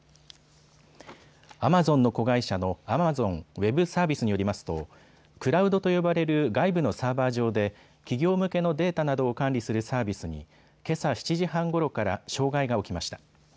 アマゾンの子会社のアマゾンウェブサービスによりますとクラウドと呼ばれる外部のサーバー上で企業向けのデータなどを管理するサービスにけさ７時半ごろから障害が起きました。